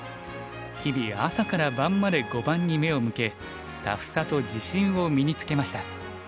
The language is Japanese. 日々朝から晩まで碁盤に目を向けタフさと自信を身につけました。